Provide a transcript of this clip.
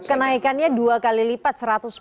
kenaikannya dua kali lipat seratus